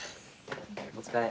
お疲れ。